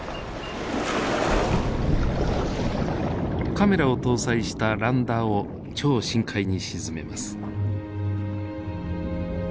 カメラを搭載したランダーを超深海に沈めます。